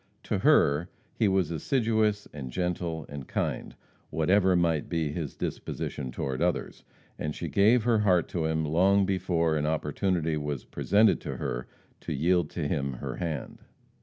To her, he was assiduous and gentle and kind, whatever might be his disposition toward others, and she gave her heart to him long before an opportunity was presented to her to yield to him her hand.